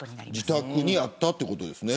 自宅にあったということですね。